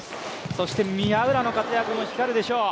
そして宮浦の活躍も光るでしょう